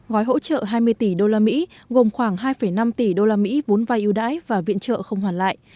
gói hỗ trợ hai mươi tỷ đô la mỹ gồm khoảng hai năm tỷ đô la mỹ vốn vai ưu đãi và viện trợ không hoàn lại